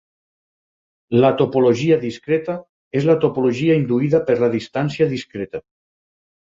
La topologia discreta és la topologia induïda per la distància discreta.